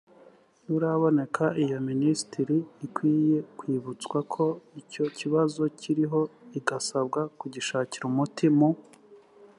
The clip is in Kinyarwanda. nturaboneka iyo minisiteri ikwiye kwibutswa ko icyo kibazo kikiriho igasabwa kugishakira umuti mu